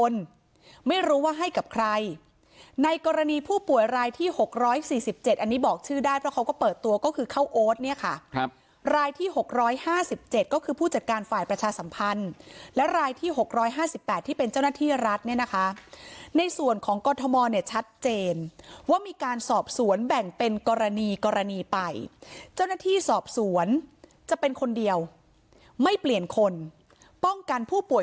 อันนี้บอกชื่อได้เพราะเขาก็เปิดตัวก็คือเข้าโอ๊ตเนี่ยค่ะครับรายที่๖๕๗ก็คือผู้จัดการฝ่ายประชาสัมพันธ์และรายที่๖๕๘ที่เป็นเจ้าหน้าที่รัฐเนี่ยนะคะในส่วนของกรทมเนี่ยชัดเจนว่ามีการสอบสวนแบ่งเป็นกรณีกรณีไปเจ้าหน้าที่สอบสวนจะเป็นคนเดียวไม่เปลี่ยนคนป้องกันผู้ป่วย